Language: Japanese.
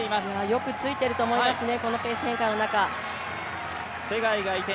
よくついていると思いますね、このペース変化の中。